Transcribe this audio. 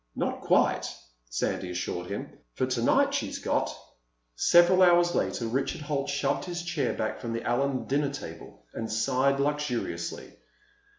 "Not quite," Sandy assured him. "For tonight she's got—" Several hours later Richard Holt shoved his chair back from the Allen dinner table and sighed luxuriously.